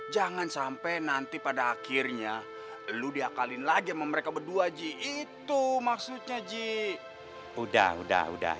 jangan sampai nanti pada akhirnya lo diakalin lagi sama mereka berdua ji itu maksudnya ji udah udah